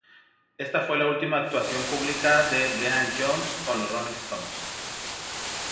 Ésta fue la última actuación pública de Brian Jones con los Rolling Stones.